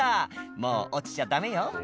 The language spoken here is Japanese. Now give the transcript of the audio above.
「もう落ちちゃダメよ」